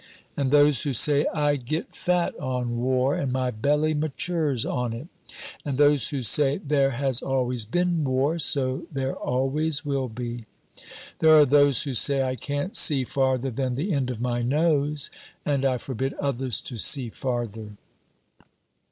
'" "And those who say, 'I get fat on war, and my belly matures on it!'" "And those who say, 'There has always been war, so there always will be!'" "There are those who say, 'I can't see farther than the end of my nose, and I forbid others to see farther!'"